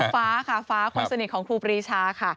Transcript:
ฟ้าค่ะฟ้าคนสนิทของครูปรีชาค่ะ